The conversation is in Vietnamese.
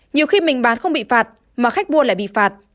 nhiều khi mình bán không bị phạt mà khách mua lại bị phạt